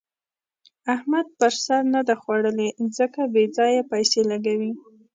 احمد پر سر نه ده خوړلې؛ ځکه بې ځايه پيسې لګوي.